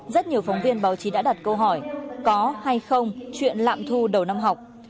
rất nhiều phóng viên báo chí đã đặt câu hỏi có hay không chuyện lạm thu đầu năm học